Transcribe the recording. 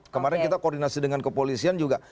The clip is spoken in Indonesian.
kemarin kita koordinasi dengan kepolisian juga